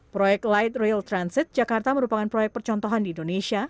proyek light rail transit jakarta merupakan proyek percontohan di indonesia